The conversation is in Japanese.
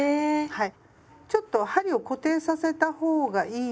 はい。